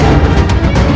ya ampun mama